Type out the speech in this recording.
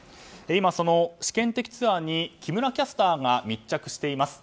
その試験的ツアーに木村キャスターが密着しています。